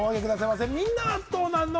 みんなはどうなの？